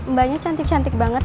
mbaknya cantik cantik banget